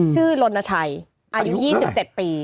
ลนชัยอายุ๒๗ปี